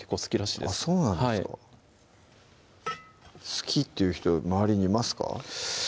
好きっていう人周りにいますか？